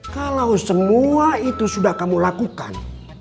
kalau semua itu sudah kamu lakukan